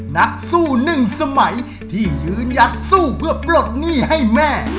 นักสู้หนึ่งสมัยที่ยืนหยัดสู้เพื่อปลดหนี้ให้แม่